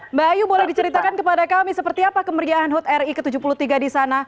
mbak ayu boleh diceritakan kepada kami seperti apa kemeriahan hut ri ke tujuh puluh tiga di sana